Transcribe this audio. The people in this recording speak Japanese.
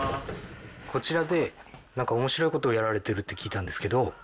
こちらで何か面白いことをやられてるって聞いたんですけど。